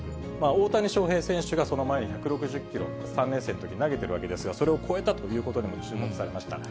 大谷翔平選手がその前に１６０キロ、３年生のときに投げてるわけですが、それを超えたということでも注目されました。